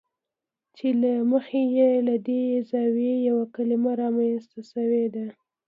چې له مخې یې له دې زاویې یوه کلمه رامنځته شوې ده.